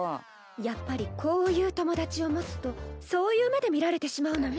やっぱりこういう友達を持つとそういう目で見られてしまうのね。